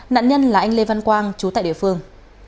nạn nhân là anh lê văn quang chú tại địa phương